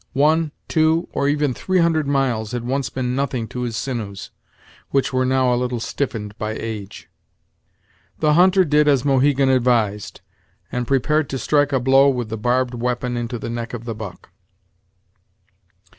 One, two, or even three hundred miles had once been nothing to his sinews, which were now a little stiffened by age. The hunter did as Mohegan advised, and prepared to strike a blow with the barbed weapon into the neck of the buck.